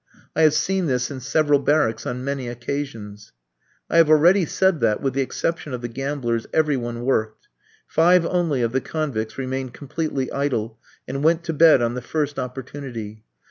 I have seen this in several barracks on many occasions. I have already said that, with the exception of the gamblers, every one worked. Five only of the convicts remained completely idle, and went to bed on the first opportunity.